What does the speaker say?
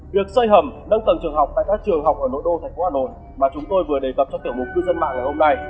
việc xây hầm nâng tầng trường học tại các trường học ở nội đô thành phố hà nội mà chúng tôi vừa đề cập trong tiểu mục cư dân mạng ngày hôm nay